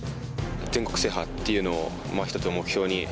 全国制覇っていうのを一つの目標に。